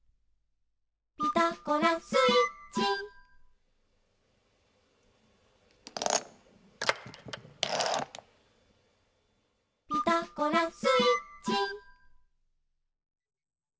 「ピタゴラスイッチ」「ピタゴラスイッチ」